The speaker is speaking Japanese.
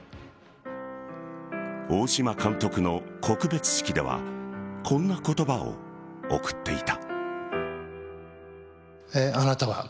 大島監督の告別式ではこんな言葉を送っていた。